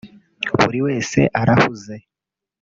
buri wese arahuze